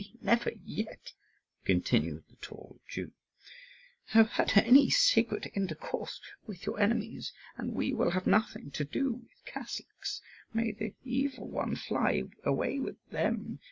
"We never yet," continued the tall Jew, "have had any secret intercourse with your enemies, and we will have nothing to do with Catholics; may the evil one fly away with them!